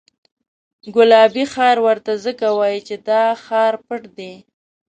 ګلابي ښار ورته ځکه وایي چې دا ښار پټ دی.